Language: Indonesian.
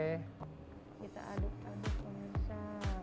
kita aduk aduk pemirsa